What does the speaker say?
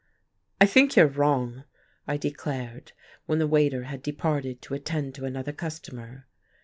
"I think you are wrong," I declared, when the waiter had departed to attend to another customer.